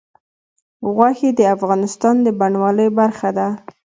غوښې د افغانستان د بڼوالۍ برخه ده.